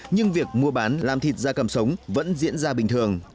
nhưng việc mua bán làm thịt da cầm sống vẫn diễn ra bình thường